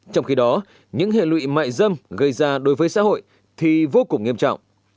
trong khi đó những hệ lụy mại dâm gây ra đối với xã hội thì vô cùng nghiêm trọng